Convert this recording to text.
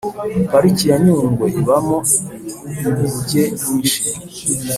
pariki yanyungwe ibamo inguge nyinshi